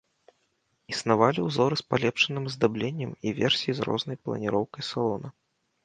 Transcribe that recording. Існавалі ўзоры з палепшаным аздабленнем і версіі з рознай планіроўкай салона.